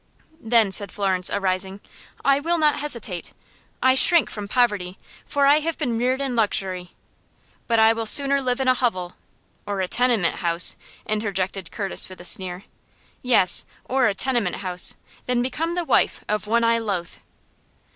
"Then," said Florence, arising, "I will not hesitate. I shrink from poverty, for I have been reared in luxury, but I will sooner live in a hovel " "Or a tenement house," interjected Curtis, with a sneer. "Yes, or a tenement house, than become the wife of one I loathe."